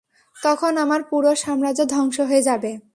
তখন আমার পুরো সাম্রাজ্য ধ্বংস হয়ে যাবে।